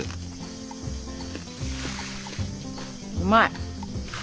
うまい！